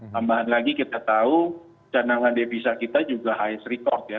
tambahan lagi kita tahu cadangan devisa kita juga high record ya